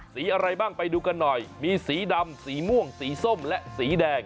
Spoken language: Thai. สีอะไรบ้างไปดูกันหน่อยมีสีดำสีม่วงสีส้มและสีแดง